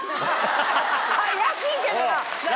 怪しいけどな。